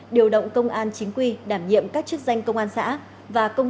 điều động công an chính quy đảm nhiệm các chức danh công an xã